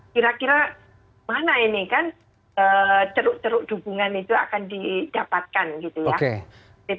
kira kira mana ini kan ceruk ceruk dukungan itu akan didapatkan gitu ya